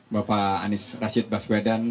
bapak anies rashid baswedan